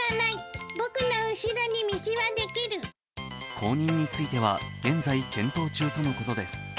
後任については現在、検討中とのことです。